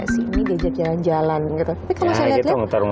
sampai disini diajak jalan jalan